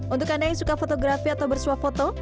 untuk anda yang suka fotografi atau bersuap foto